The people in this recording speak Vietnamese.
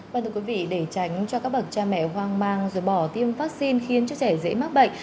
vâng thưa quý vị để tránh cho các bậc cha mẹ hoang mang rồi bỏ tiêm vaccine khiến cho trẻ dễ mắc bệnh